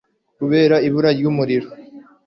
kubera ibura ry umurimo